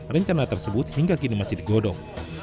rencana tersebut hingga kini masih digodok